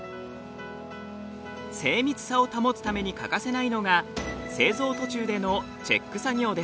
精密さを保つために欠かせないのが製造途中でのチェック作業です。